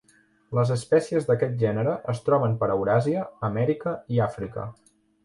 Les espècies d'aquest gènere es troben per Euràsia, Amèrica i Àfrica.